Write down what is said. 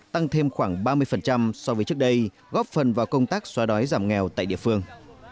tăng thêm khoảng ba mươi so với trước đây góp phần vào công tác xóa đói giảm nghèo tại địa phương